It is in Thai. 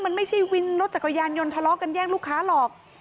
มันไม่ใช่วินรถจักรยานยนต์ทะเลาะกันแย่งลูกค้าหรอก